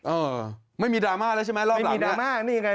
เอ่อไม่มีดราม่าแล้วใช่ไหมรอบหลังไม่มีดราม่านี่ไง